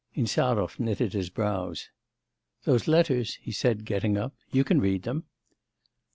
Insarov knitted his brows. 'Those letters?' he said, getting up, 'you can read them.